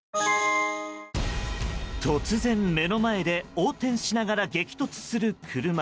突然目の前で横転しながら激突する車。